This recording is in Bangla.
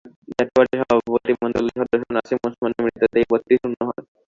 জাতীয় পার্টির সভাপতিমণ্ডলীর সদস্য নাসিম ওসমানের মৃত্যুতে ওই পদটি শূন্য হয়।